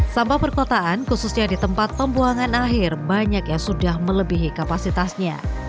sampah perkotaan khususnya di tempat pembuangan akhir banyak yang sudah melebihi kapasitasnya